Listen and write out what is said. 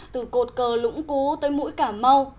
từ cột cờ lũng cú tới mũi cà mau